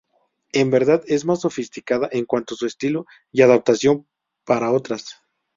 En verdad es más sofisticada en cuanto su estilo y adaptación para otras.